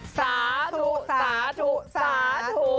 สาถุ